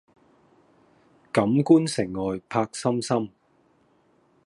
錦官城外柏森森